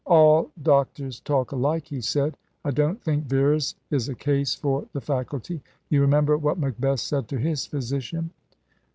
"All doctors talk alike," he said. "I don't think Vera's is a case for the faculty. You remember what Macbeth said to his physician?"